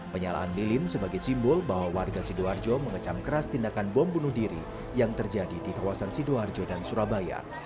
penyalaan lilin sebagai simbol bahwa warga sidoarjo mengecam keras tindakan bom bunuh diri yang terjadi di kawasan sidoarjo dan surabaya